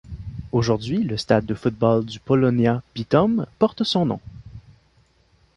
Aujourd’hui le stade de football du Polonia Bytom porte son nom.